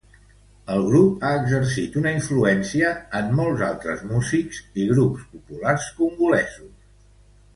El grup ha exercit una influència en molts altres músics i grups populars congolesos.